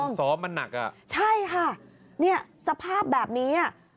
ซ้อมมันหนักอ่ะใช่ค่ะเนี่ยสภาพแบบนี้อ่ะ